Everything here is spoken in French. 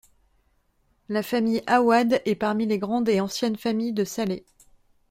La famille Aouad est parmi les grandes et anciennes familles de Salé.